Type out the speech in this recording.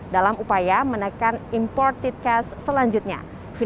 dalam upaya menekan imported cash selanjutnya